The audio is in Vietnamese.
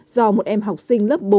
do một em học sinh lớp bốn